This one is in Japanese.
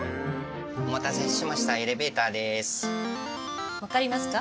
お待たせしましたエレベーターです分かりますか？